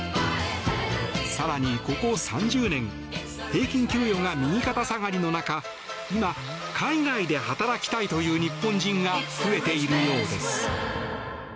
更に、ここ３０年平均給与が右肩下がりの中今、海外で働きたいという日本人が増えているようです。